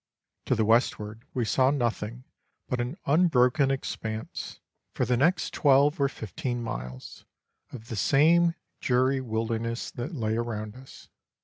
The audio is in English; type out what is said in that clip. To the westward we saw nothing but an unbroken ex panse, for the next twelve or fifteen miles, of the same dreary wil derness that lay around us.